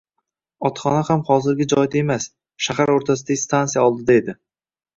Otxona ham hozirgi joyda emas, shahar o`rtasidagi stansiya oldida edi